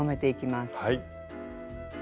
はい。